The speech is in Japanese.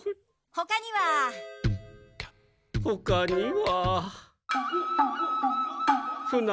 ほかには？